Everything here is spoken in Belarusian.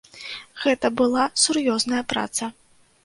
Гэта была сур'ёзная праца.